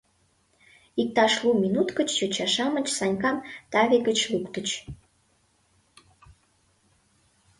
Иктаж лу минут гыч йоча-шамыч Санькам таве гыч луктыч.